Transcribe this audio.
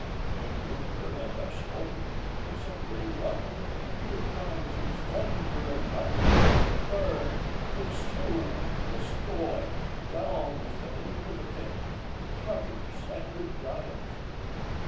When Jupiter had thus spoken, the assembly rung with repeated cries, of "thunder, and lightning! burn, consume, destroy! down with them into the pit, to Tartarus, and the giants!"